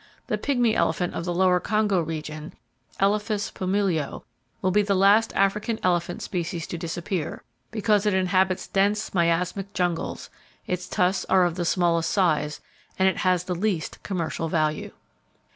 The pygmy elephant of the lower Congo region (Elephas pumilio) will be the last African elephant species to disappear—because it inhabits dense miasmatic jungles, its tusks are of the smallest size, and it has the least commercial value.